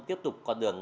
tiếp tục con đường